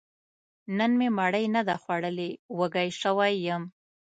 نن مې مړۍ نه ده خوړلې، وږی شوی يم